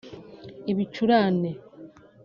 ibicurane